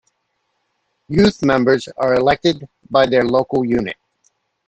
Youth members are elected by their local unit.